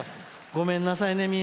ごめんなさいね。